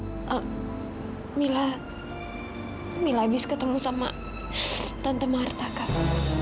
mila mila habis ketemu sama tante marta kak